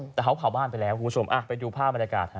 แต่เขาเผาบ้านไปแล้วคุณผู้ชมไปดูภาพบรรยากาศฮะ